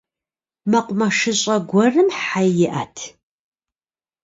Мэкъумэшыщӏэ гуэрым хьэ иӏэт.